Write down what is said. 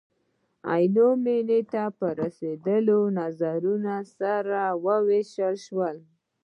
عینو مینې ته په رسېدلو نظرونه سره ووېشل شول.